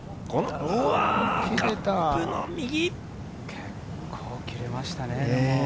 結構切れましたね。